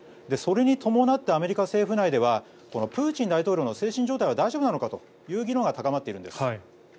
それに伴ってアメリカ政府内ではプーチン大統領の精神状態は大丈夫なのかという議論が高まっているんです。